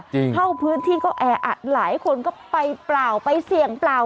เข้าพื้นที่ก็แออัดหลายคนก็ไปเปล่าไปเสี่ยงเปล่า